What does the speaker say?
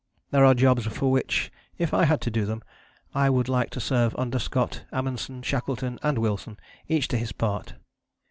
There are jobs for which, if I had to do them, I would like to serve under Scott, Amundsen, Shackleton and Wilson each to his part.